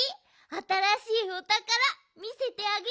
あたらしいおたからみせてあげるよ。